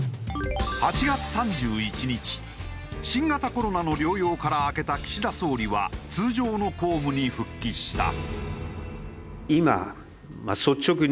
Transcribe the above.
８月３１日新型コロナの療養から明けた岸田総理は通常の公務に復帰した。